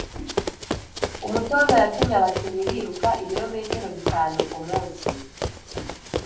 umutoza yatumye abakinnyi biruka ibirometero bitanu kumunsi.